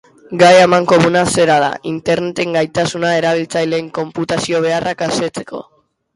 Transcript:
Gai amankomuna zera da: interneten gaitasuna erabiltzaileen konputazio beharrak asetzeko.